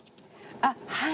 あっはい。